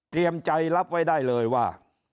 เตรียมใจรับไว้ได้เลยว่า